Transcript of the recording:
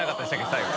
最後。）